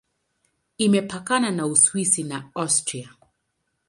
Imepakana na Uswisi na Austria.